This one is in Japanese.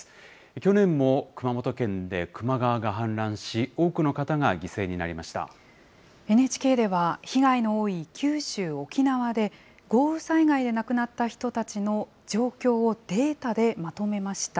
去年も熊本県で球磨川が氾濫し、ＮＨＫでは、被害の多い九州・沖縄で、豪雨災害で亡くなった人たちの状況をデータでまとめました。